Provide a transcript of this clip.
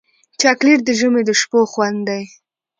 چاکلېټ د ژمي د شپو خوند دی.